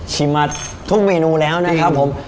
ชิมมาทุกเมนูแล้วนะครับผม